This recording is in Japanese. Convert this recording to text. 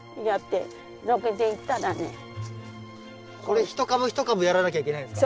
これ一株一株やらなきゃいけないんですか？